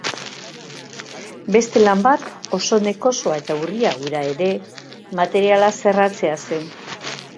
Beste lan bat, oso nekosoa eta urria hura ere, materiala zerratzea zen.